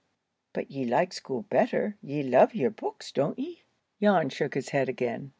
"But ye like school better? Ye love your books, don't ye?" Jan shook his head again.